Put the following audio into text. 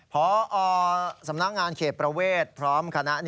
พอสำนักงานเขตประเวทพร้อมคณะ